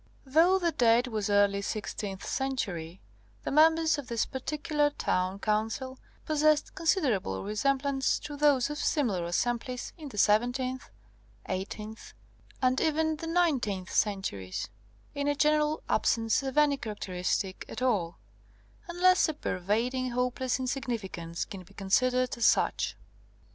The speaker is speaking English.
Though the date was early sixteenth century, the members of this particular town council possessed considerable resemblance to those of similar assemblies in the seventeenth, eighteenth, and even the nineteenth centuries, in a general absence of any characteristic at all unless a pervading hopeless insignificance can be considered as such.